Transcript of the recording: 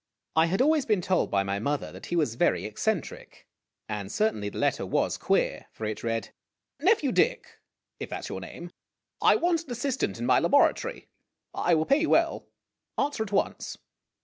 I had always been told by my mother that he was very eccentric, and certainly the letter was queer ; for it read : Nephew Dick (if that 's your name) : I want an assistant in my laboratory. I will pay you well. Answer at once.